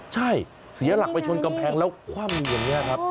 ใช่เสียหลักไปชนกำแพงแล้วคว่ำอย่างนี้ครับ